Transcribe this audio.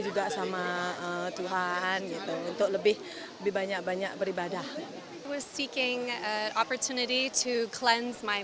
juga sama tuhan untuk lebih lebih banyak banyak beribadah was seeking opportunity to cleanse my